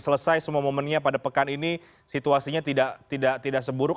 selesai semua momennya pada pekan ini situasinya tidak seburuk